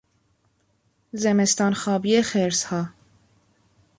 زمستانخوابی خرسها